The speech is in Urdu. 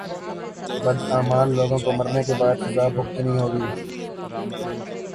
بداعمال لوگوں کو مرنے کے بعد سزا بھگتنی ہوگی